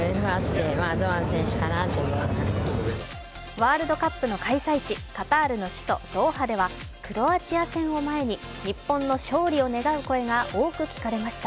ワールドカップの開催地カタールの首都ドーハではクロアチア戦を前に日本の勝利を願う声が多く聞かれました。